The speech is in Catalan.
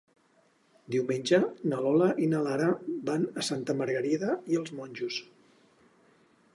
Diumenge na Lola i na Lara van a Santa Margarida i els Monjos.